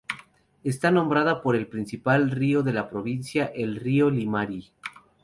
Está nombrada por el principal río de la provincia: el río Limarí.